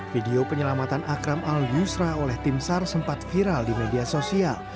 video penyelamatan akram al yusra oleh tim sar sempat viral di media sosial